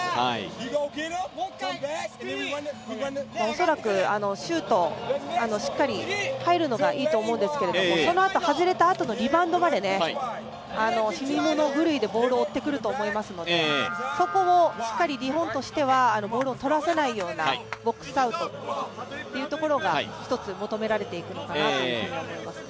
恐らくシュート、しっかり入るのがいいと思うんですけれども、はずれたあとのリバウンドまで死に物狂いでボールを追ってくると思いますのでそこをしっかり日本としてはボールを取らせないようなボックスアウトというところが一つ求められてくるのかなと思いますね。